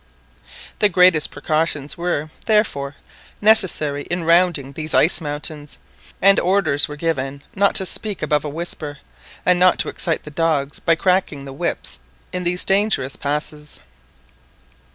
The greatest precautions were, therefore, necessary in rounding these ice mountains, and orders were given not to speak above a whisper, and not to excite the dogs by cracking the whips in these dangerous passes.